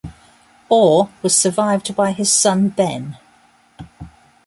Orr was survived by his son Ben.